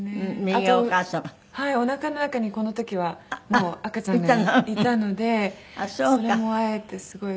おなかの中にこの時はもう赤ちゃんがいたのでそれも会えてすごいうれしかったんですよね。